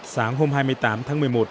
sáng hôm hai mươi tám tháng một mươi một